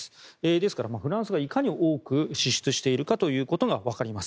ですから、フランスはいかに多く支出しているかということがわかります。